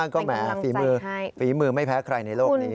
ก็แหมฝีมือฝีมือไม่แพ้ใครในโลกนี้